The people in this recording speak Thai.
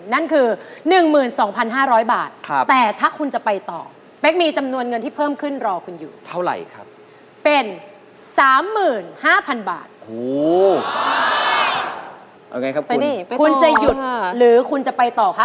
นั่นคือ๑๒๕๐๐บาทแต่ถ้าคุณจะไปต่อแป๊กมีจำนวนเงินที่เพิ่มขึ้นรอคุณอยู่เป็น๓๕๐๐๐บาทคุณเจมส์คุณจิ๊บหรือคุณจะไปต่อค่ะ